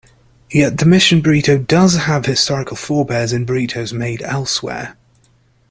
Yet the Mission burrito does have historical forebears in burritos made elsewhere.